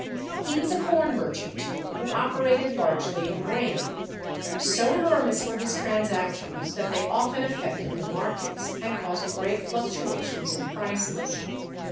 He was a corn merchant who operated largely in grain. So enormous were his transactions, that they often affected the markets, and caused great fluctuations in prices.